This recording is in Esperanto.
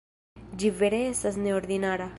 Ĝi vere estas neordinara.